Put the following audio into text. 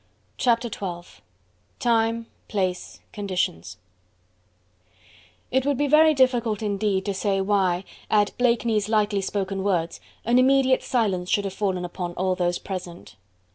Chapter XII: Time Place Conditions It would be very difficult indeed to say why at Blakeney's lightly spoken words an immediate silence should have fallen upon all those present.